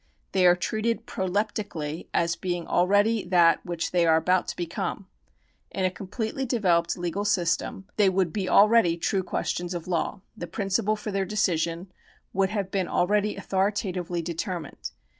They are treated proleptically as being already that which they are about to become. In a com pletely developed legal system they would be already true questions of law ; the principle for their decision would have been already authoritatively determined.